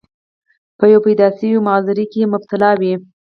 پۀ يو پېدائشي معذورۍ کښې مبتلا وي،